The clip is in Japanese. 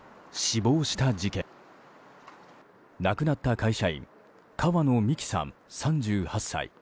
亡くなった会社員川野美樹さん、３８歳。